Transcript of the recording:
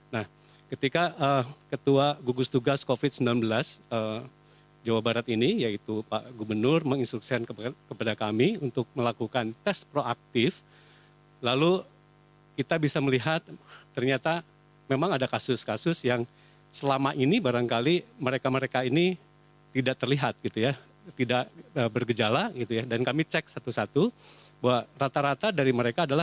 nah ketika ketua gugus tugas covid sembilan belas